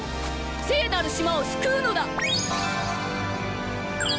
聖なる島を救うのだ！